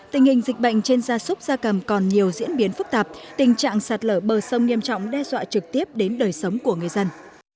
tình hình dịch bệnh trên gia súc gia cầm còn nhiều diễn biến phức tạp tình trạng sạt lở bờ sông nghiêm trọng đe dọa trực tiếp đến đời sống của người dân